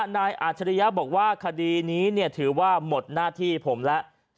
นายอัจฉริยะบอกว่าคดีนี้เงียดถือว่าหมดหน้าที่ผมล่ะ